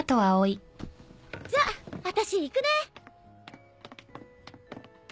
じゃあたし行くね。